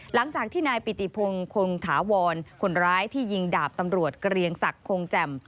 หลังจากที่นายปิติพงศ์คงถาวรคนร้ายที่ยิงดาบตำรวจเกรียงศักดิ์คงแจ่ม